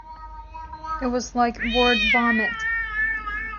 It was like word vomit.